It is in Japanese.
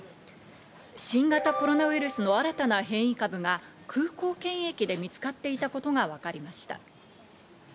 新型コロナウイルスの新たな変異株が空港検疫で見つかっていたことがわかりました。